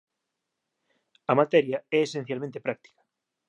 A materia é esencialmente práctica